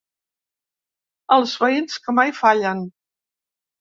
Els veïns que mai fallen.